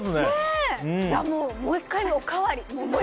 もう１回おかわり。